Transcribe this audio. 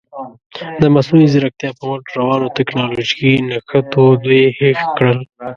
د مصنوعي زیرکتیا په مټ روانو تکنالوژیکي نښتو دوی هېښ کړل.